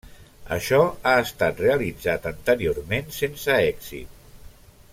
Això ha estat realitzat anteriorment sense èxit.